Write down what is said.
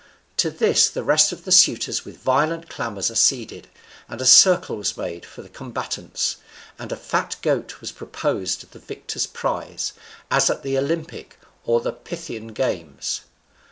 To this the rest of the suitors with violent clamours acceded, and a circle was made for the combatants, and a fat goat was proposed as the victor's prize, as at the Olympic or the Pythian games.